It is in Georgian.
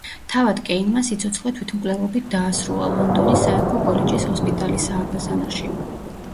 თავად კეინმა სიცოცხლე თვითმკვლელობით დაასრულა, ლონდონის სამეფო კოლეჯის ჰოსპიტალის სააბაზანოში.